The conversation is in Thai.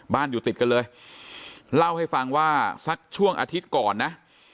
อยู่ติดกันเลยเล่าให้ฟังว่าสักช่วงอาทิตย์ก่อนนะ